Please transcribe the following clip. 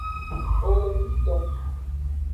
Owongto.